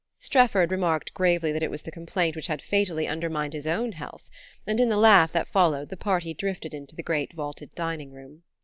Strefford remarked gravely that it was the complaint which had fatally undermined his own health; and in the laugh that followed the party drifted into the great vaulted dining room.